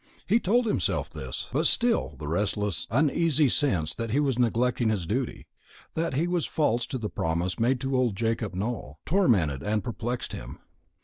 He told himself this; but still the restless uneasy sense that he was neglecting his duty, that he was false to the promise made to old Jacob Nowell, tormented and perplexed him.